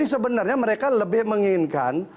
sebenarnya mereka lebih menginginkan